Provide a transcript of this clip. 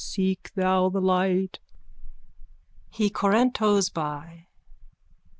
Seek thou the light. _(He corantos by.